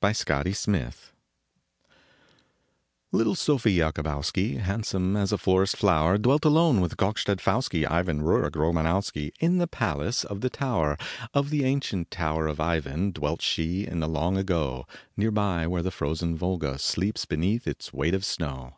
103 SOF1E JAKOBOWSKI Little Sofie Jakobowski, Handsome as a forest flower, Dwelt alone with Gokstad Pfouski Ivan Ruric Romano wski, In the palace of the tower, Of the ancient tower of Ivan, Dwelt she in the long ago, Near by where the frozen Volga Sleeps beneath its weight of snow.